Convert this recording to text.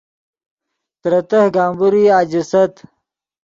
ترے تہہ گمبورئی اَجیست